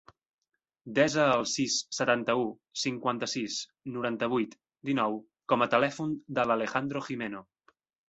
Desa el sis, setanta-u, cinquanta-sis, noranta-vuit, dinou com a telèfon de l'Alejandro Gimeno.